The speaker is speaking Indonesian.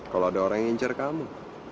kalau ada orang yang incir kamu